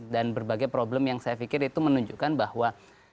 dan berbagai problem yang saya pikir itu menunjukkan bahwa